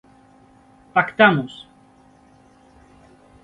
¡Pactamos!